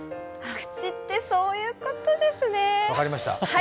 「口」ってそういうことですね。